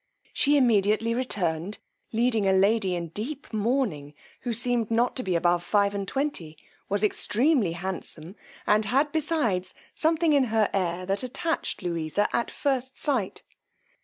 She immediately returned, leading a lady in deep mourning, who seemed not to be above five and twenty, was extremely handsome, and had beside something in her air that attached Louisa at first sight.